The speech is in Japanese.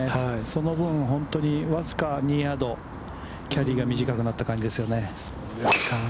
その分、本当に僅か２ヤード、キャリーが短くなった感じですね。